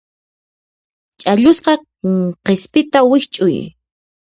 Chhallusqa qispita wikch'uy.